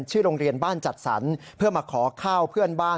ชื่อโรงเรียนบ้านจัดสรรเพื่อมาขอข้าวเพื่อนบ้าน